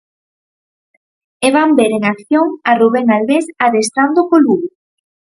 E van ver en acción a Rubén Albés adestrando co Lugo.